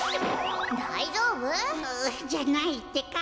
だいじょうぶ？じゃないってか。